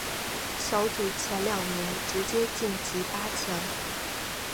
小组前两名直接晋级八强。